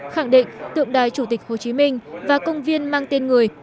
khẳng định tượng đài chủ tịch hồ chí minh và công viên mang tên người